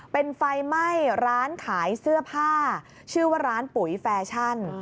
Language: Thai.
เป็นไฟไหม้ร้านขายเสื้อผ้าชื่อว่าร้านปุ๋ยแฟชั่น